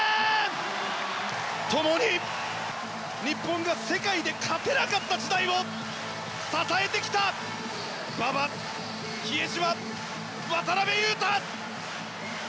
共に日本が世界で勝てなかった時代を支えてきた馬場、比江島、渡邊雄太！